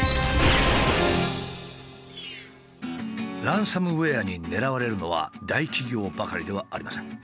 ランサムウエアに狙われるのは大企業ばかりではありません。